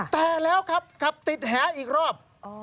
แต่แล้วครับขับติดแหอีกรอบ